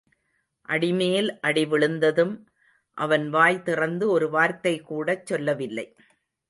அடிமேல் அடிவிழுந்ததும், அவன் வாய் திறந்து ஒரு வார்த்தைகூடச்சொல்லவில்லை.